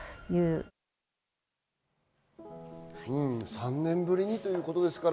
３年ぶりにということです。